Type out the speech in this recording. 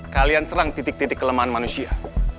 kalian serang titik titik kelemahan manusia